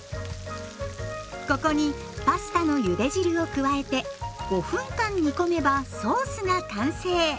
ここにパスタのゆで汁を加えて５分間煮込めばソースが完成。